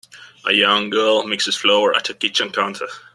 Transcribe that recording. A young girl mixes flour at a kitchen counter.